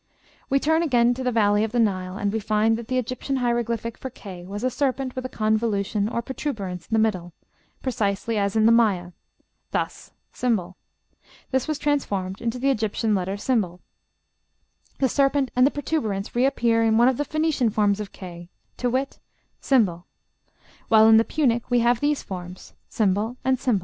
We turn again to the valley of the Nile, and we find that the Egyptian hieroglyphic for k was a serpent with a convolution or protuberance in the middle, precisely as in the Maya, thus, ###; this was transformed into the Egyptian letter ###; the serpent and the protuberance reappear in one of the Phoenician forms of k, to wit, ###; while in the Punic we have these forms, ### and ###